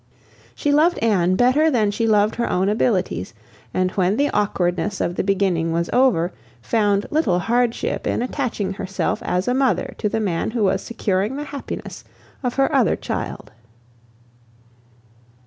She loved Anne better than she loved her own abilities; and when the awkwardness of the beginning was over, found little hardship in attaching herself as a mother to the man who was securing the happiness of her other child.